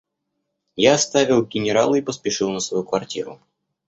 Я оставил генерала и поспешил на свою квартиру.